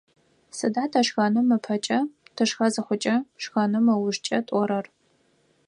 Сыда тэ шхэным ыпэкӏэ, тышхэ зыхъукӏэ, шхэным ыужкӏэ тӏорэр?